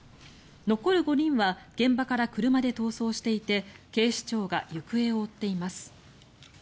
残る５人は現場から車で逃走していて警視庁が行方を追っています。